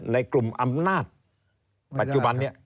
ในกลุ่มอำนาจปัจจุบันนี้